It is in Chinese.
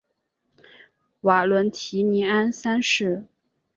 瓦伦提尼安三世。